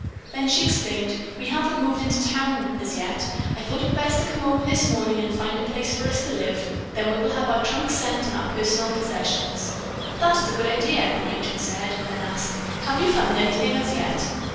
Then she explained: "We haven't moved into town as yet. I thought best to come over this morning and find a place for us to live; then we will have our trunks sent and our personal possessions." "That is a good idea," the matron said, then asked: "Have you found anything as yet?"